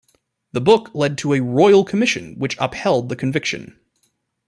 The book led to a royal commission which upheld the conviction.